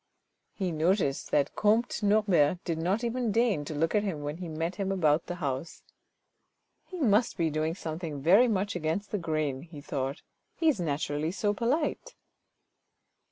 He noticed that comte Norbert did not even deign to look at him when he met him about the house. " He must be doing something very much against the grain," he thought ;" he is naturally so polite."